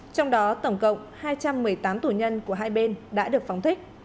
trong đó tổng cộng hai trăm một mươi tám tù nhân của hai bên đã được phóng thích